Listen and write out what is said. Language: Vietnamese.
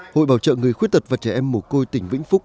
hội bảo trợ người khuyết tật và trẻ em mồ côi tỉnh vĩnh phúc